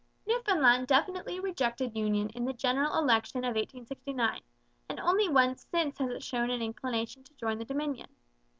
Newfoundland definitely rejected union in the general election of 1869, and only once since has it shown an inclination to join the Dominion.